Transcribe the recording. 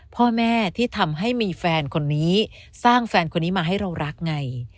พ่อแม่ที่ทำให้มีแฟนคนนี้สร้างแฟนคนนี้มาให้เรารักไง